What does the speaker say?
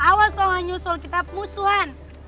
awas kalau gak nyusul kita pushwans